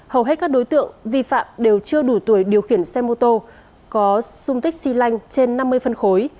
hầu hết các đối tượng vi phạm đều chưa đủ tuổi điều khiển xe mô tô có sung tích xy lanh trên năm mươi phân khối